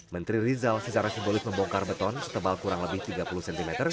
menteri rizal secara simbolis membongkar beton setebal kurang lebih tiga puluh cm